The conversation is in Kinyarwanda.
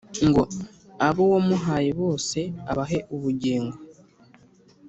ngo abo wamuhaye bose abahe ubugingo